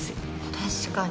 確かに。